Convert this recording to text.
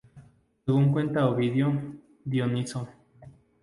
Según cuenta Ovidio, Dioniso